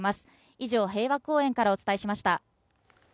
以上、平和公園からお伝えしました。